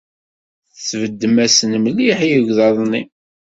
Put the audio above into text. Tbeddemt-asen mliḥ i yegḍaḍ-nni.